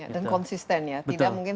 dan konsisten ya tidak mungkin